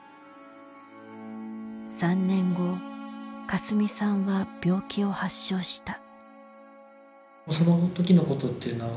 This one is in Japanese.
３年後かすみさんは病気を発症した。